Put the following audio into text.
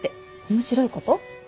面白いこと？